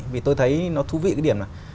vì tôi thấy nó thú vị cái điểm là